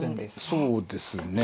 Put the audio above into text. そうですね。